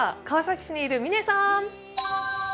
川崎市にいる嶺さん！